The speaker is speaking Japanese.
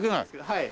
はい。